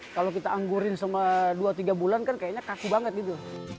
kalau kita anggurin sama dua tiga bulan kan kayaknya kaku banget gitu